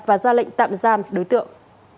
và ra lệnh tạm giam đối tượng